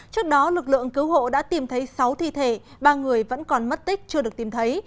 trước đó lực lượng cứu hộ đã tìm thấy sáu thi thể ba người vẫn còn mất tích chưa được tìm thấy